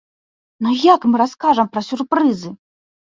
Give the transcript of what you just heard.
Ну як мы раскажам пра сюрпрызы?!